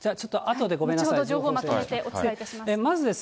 後ほど情報をまとめてお伝えいたします。